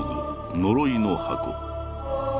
「呪いの箱」。